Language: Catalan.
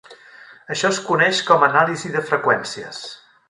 Això es coneix com anàlisi de freqüències.